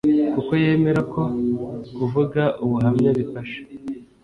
kuko yemera ko kuvuga ubuhamya bifasha